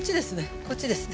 こっちですね。